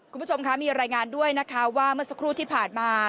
คุณผู้ชมคะมีรายงานด้วยนะคะว่าเมื่อสักครู่ที่ผ่านมา